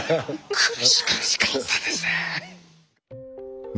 「苦しかったですね」。